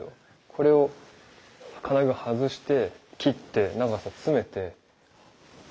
これを金具外して切って長さ詰めて。